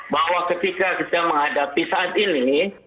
bahwa ketika kita menghadapi saat ini